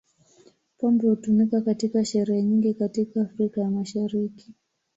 Pombe hutumika katika sherehe nyingi katika Afrika ya Mashariki.